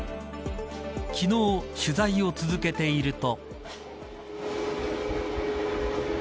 昨日、取材を続けていると。